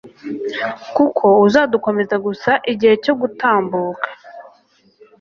kuko uzadukomeza gusa igihe cyo gutambuka